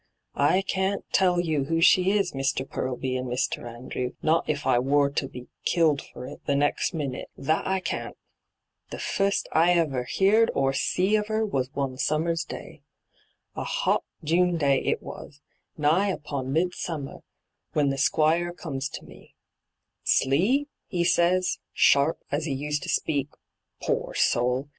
' I can't tell you who she is, Mr. Purlby and Mr. Andrew, not if I wor to be killed for it next minute, that I 7 D,gt,, 6rtbyGOOglC 98 ENTRAPPED can't I The ftuit I ever heerd or see of 'er was ODe summer's day — a hot June day it was, nigh upon midsummer — when the Squire comes to me. " Slee," he see, sharp, as he used to speak — poor soul